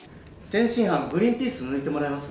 天津飯グリーンピース抜いてもらえます？